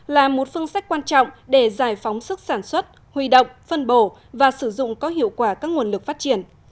là một phương sách quan trọng để giải phóng sức sản xuất huy động phân bổ và sử dụng có hiệu quả các nguồn lực phát triển